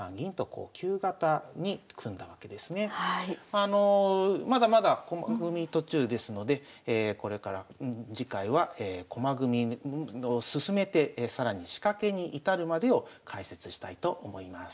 あのまだまだ駒組み途中ですのでこれから次回は駒組みを進めて更に仕掛けに至るまでを解説したいと思います。